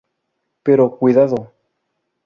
Pero ¡cuidado!